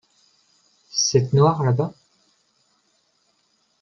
Cette noire là-bas.